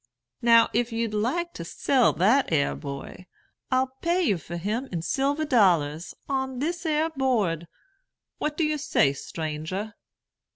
Now, if you'd like to sell that 'ere boy, I'll pay you for him in silver dollars, on this 'ere board. What do you say, stranger?"